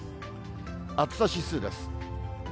暑さ指数です。